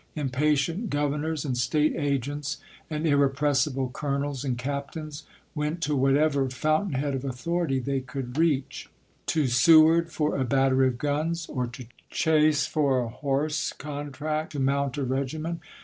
Impatient governors and State agents, and uTepressible colonels and captains, went to what ever fountain head of authority they could reach —>> e K > O CIVIL WAR 257 to Seward for a battery of guns, or to Chase for a chap. xiv. horse contract to mount a regiment.